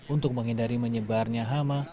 untuk menghindari menyebarnya hama